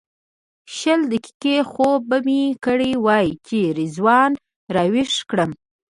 شل دقیقې خوب به مې کړی وي چې رضوان راویښ کړم.